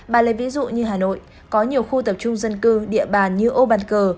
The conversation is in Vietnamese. bà lấy ví dụ như hà nội có nhiều khu tập trung dân cư địa bàn như ô bàn cờ